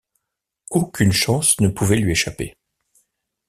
Aucune chance ne pouvait lui échapper.